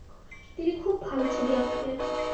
তিনি খুব ভালো ছবি আঁকতেন।